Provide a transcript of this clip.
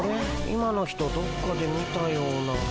今の人どっかで見たような。